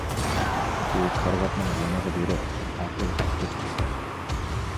ئۇ كارىۋاتنىڭ يېنىغا بېرىپ، ئەتەي توختىدى.